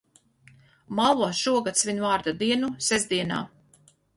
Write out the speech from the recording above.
Malva šogad svin vārda dienu sestdienā.